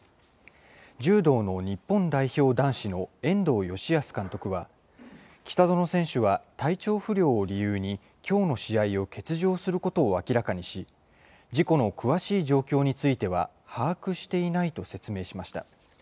柔道の日本代表男子の遠藤義安監督は、北薗選手は体調不良を理由に、きょうの試合を欠場することを明らかにし、事故の詳しい状況については把握していないと説明しました。